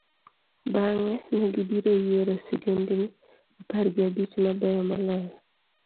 bang'e, ne gibiro yiero sigendini apar gi abich mabeyo moloyo.